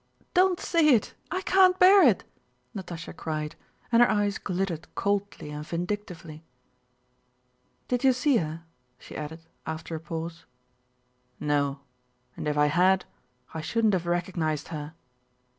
"Don't say it! I can't bear it!" Natásha cried, and her eyes glittered coldly and vindictively. "Did you see her?" she added, after a pause. "No, and if I had I shouldn't have recognized her."